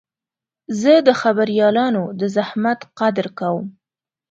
زه د خبریالانو د زحمت قدر کوم.